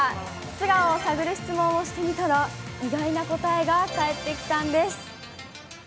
素顔を探る質問をしてみたら、意外な答えが返ってきたんです。